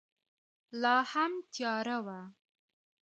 لا هم تیاره وه.